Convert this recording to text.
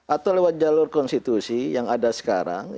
atau lewat jalur konstitusi yang ada sekarang